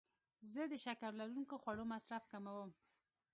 زه د شکر لرونکو خوړو مصرف کموم.